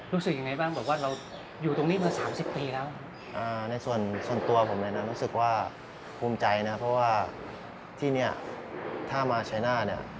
รุ่นที่๓นะครับค่ะผมรุ่นที่๓แล้วนะ